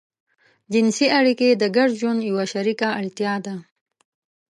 جنسي اړيکې د ګډ ژوند يوه شريکه اړتيا ده.